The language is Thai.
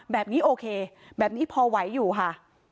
แบบนี้โอเคแบบนี้พอไหวอยู่ค่ะ